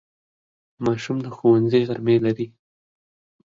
ماشوم د ښوونځي غرمې لري.